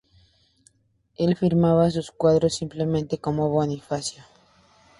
Él firmaba sus cuadros simplemente como Bonifacio.